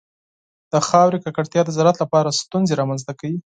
د خاورې ککړتیا د زراعت لپاره ستونزې رامنځته کوي.